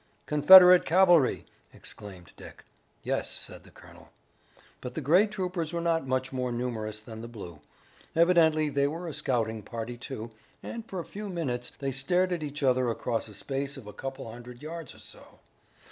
"Confederate cavalry!" exclaimed Dick. "Yes," said the colonel. But the gray troopers were not much more numerous than the blue. Evidently they were a scouting party, too, and for a few minutes they stared at each other across a space of a couple of hundred yards or so.